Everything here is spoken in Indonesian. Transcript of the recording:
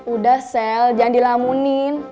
udah sel jangan dilamunin